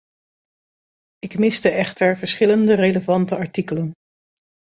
Ik miste echter verschillende relevante artikelen.